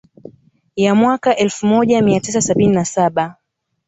Ya mwaka elfu moja mia tisa sabini na saba